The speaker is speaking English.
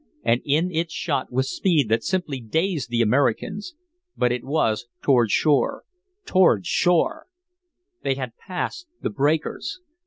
And in it shot with speed that simply dazed the Americans; but it was toward shore toward shore! They had passed the breakers!